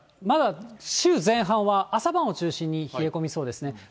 まだ週前半は、朝晩を中心に冷え込みそうですね。